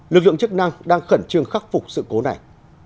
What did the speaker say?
lực lượng chức năng đang khẩn trương khắc phục sự cố này